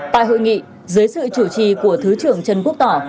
tại hội nghị dưới sự chủ trì của thứ trưởng trần quốc tỏ